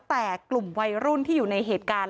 แต่กลุ่มวัยรุ่นที่อยู่ในเหตุการณ์